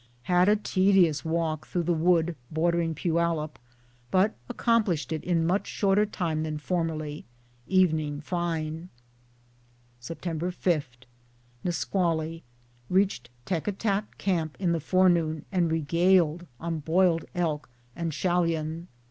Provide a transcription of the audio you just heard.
Had a tedious walk through the wood bordering Poyallip, but ac complished it in much shorter time than formerly. Evening fine. Sept. 5. Nusqually. Reached Tekatat camp in the forenoon and regaled on boiled elk and shallon.